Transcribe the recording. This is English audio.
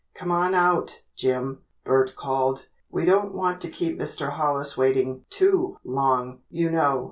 "Come on out, Jim," Bert called. "We don't want to keep Mr. Hollis waiting too long, you know."